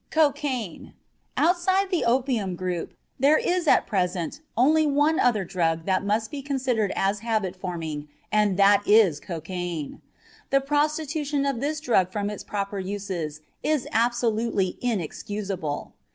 COCAINE Outside the opium group, there is at present only one other drug that must be considered as habit forming, and that is cocaine. The prostitution of this drug from its proper uses is absolutely inexcusable.